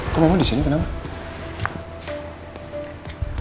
kok mama disini kenapa